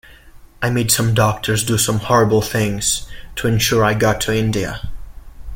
I made some doctors do some horrible things to ensure I got to India.